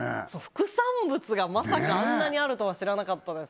副産物がまさかあんなにあるとは知らなかったです